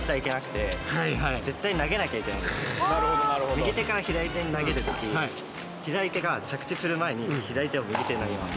右手から左手に投げる時左手が左手を右手に投げます。